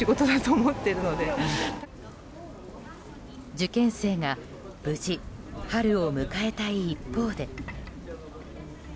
受験生が無事、春を迎えたい一方で。